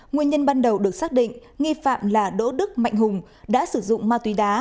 nguyên nhân ban đầu được xác định nghi phạm là đỗ đức mạnh hùng đã sử dụng ma túy đá